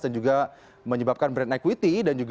dan juga menyebabkan brand equity